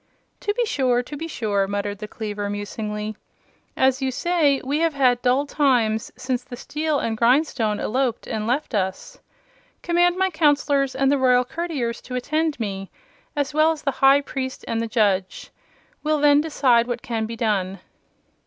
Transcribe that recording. "To be sure; to be sure," muttered the cleaver, musingly. "As you say, we have had dull times since the steel and grindstone eloped and left us. Command my Counselors and the Royal Courtiers to attend me, as well as the High Priest and the Judge. We'll then decide what can be done."